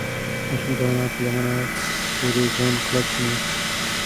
ماشوم د انا په لمن پورې ځان کلک ونیو.